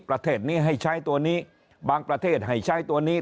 ประเทศนี้ให้ใช้ตัวนี้บางประเทศให้ใช้ตัวนี้